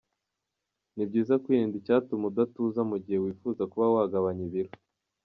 Ni byiza kwirinda icyatuma udatuza mu gihe wifuza kuba wagabanya ibiro.